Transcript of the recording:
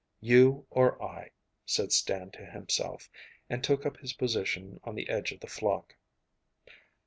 'You or I,' said Stan to himself, and took up his position on the edge of the flock.